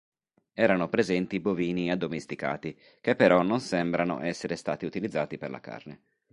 Erano presenti bovini addomesticati, che però non sembrano essere stati utilizzati per la carne.